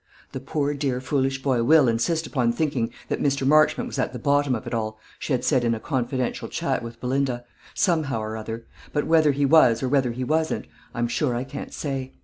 "The poor dear foolish boy will insist upon thinking that Mr. Marchmont was at the bottom of it all," she had said in a confidential chat with Belinda, "somehow or other; but whether he was, or whether he wasn't, I'm sure I can't say.